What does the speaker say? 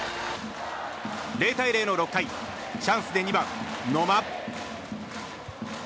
０対０の６回、チャンスで２番、野間。